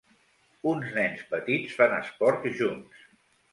Uns nens petits fan esport junts.